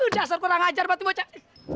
dasar kurang ajar berarti bocah